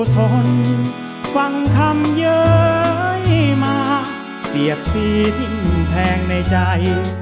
ทนฟังคำเย้ยมาเสียดสีทิ้งแทงในใจ